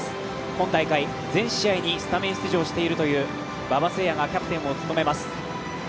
今大会全試合にスタメン出場しているという馬場晴也がキャプテンを務めます。